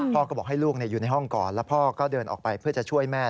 พ่อก็บอกให้ลูกอยู่ในห้องก่อนแล้วพ่อก็เดินออกไปเพื่อจะช่วยแม่